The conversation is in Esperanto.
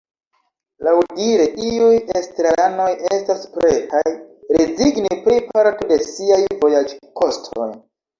Laŭdire iuj estraranoj estas pretaj rezigni pri parto de siaj vojaĝkostoj.